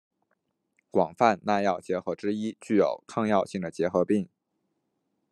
广泛耐药结核之一具有抗药性的结核病。